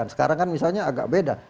sekarang kan misalnya agak beda